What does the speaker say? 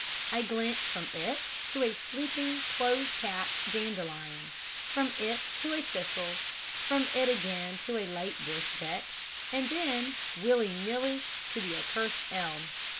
I glance from it to a sleeping close capped dandelion, from it to a thistle, from it again to a late bush vetch, and then, willy nilly, to the accursed elm.